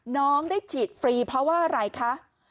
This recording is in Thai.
น้องได้ฉีดฟรีเพราะว่าอะไรคะ